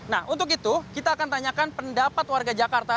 nah untuk itu kita akan tanyakan pendapat warga jakarta